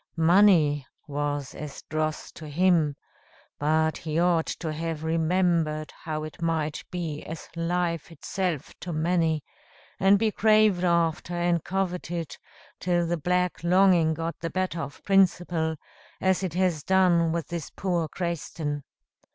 Money was as dross to him; but he ought to have remembered how it might be as life itself to many, and be craved after, and coveted, till the black longing got the better of principle, as it has done with this poor Crayston.